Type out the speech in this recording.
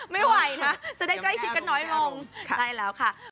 ไม่ไหวนะจะได้ใกล้ชิดกันน้อยลง